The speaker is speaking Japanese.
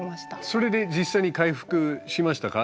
それで実際に回復しましたか？